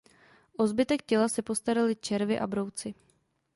O zbytek těla se postarali červi a brouci.